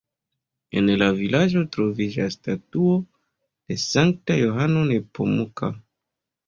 En la vilaĝo troviĝas statuo de Sankta Johano Nepomuka.